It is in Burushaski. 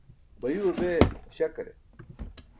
bayuuwa bee śakare?